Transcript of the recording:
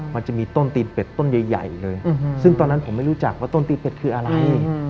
มันจะมีต้นตีนเป็ดต้นใหญ่เลยซึ่งตอนนั้นผมไม่รู้จักว่าต้นตีนเป็ดคืออะไร